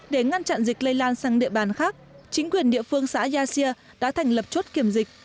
để ngăn chặn dịch lây lan sang địa bàn khác chính quyền địa phương xã gia xia đã thành lập chốt kiểm dịch